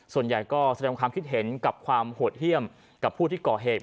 ส่วนใหญ่ก็แสดงความคิดเห็นกับความโหดเยี่ยมกับผู้ที่ก่อเหตุ